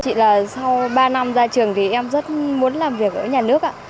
chị là sau ba năm ra trường thì em rất muốn làm việc ở nhà nước